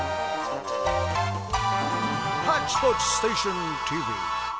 「ハッチポッチステーションＴＶ」。